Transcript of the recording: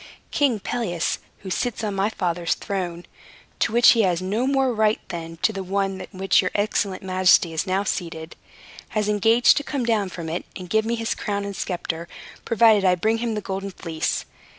King Pelias, who sits on my father's throne (to which he has no more right than to the one on which your excellent majesty is now seated), has engaged to come down from it, and to give me his crown and sceptre, provided I bring him the Golden Fleece.